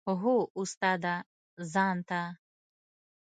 هو استاده ځان ته.